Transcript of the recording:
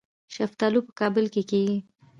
شفتالو په کابل کې کیږي